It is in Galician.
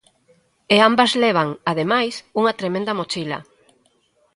E ambas levan, ademais, unha tremenda mochila.